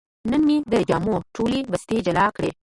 نن مې د جامو ټولې بستې جلا کړې.